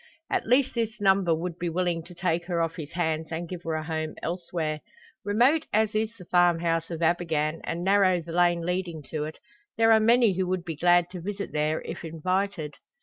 At least this number would be willing to take her off his hands and give her a home elsewhere. Remote as is the farm house of Abergann, and narrow the lane leading to it, there are many who would be glad to visit there, if invited.